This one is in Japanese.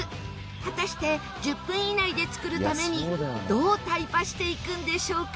果たして１０分以内で作るためにどうタイパしていくんでしょうか。